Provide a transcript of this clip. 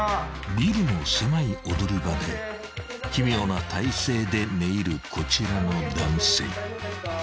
［ビルの狭い踊り場で奇妙な体勢で寝入るこちらの男性］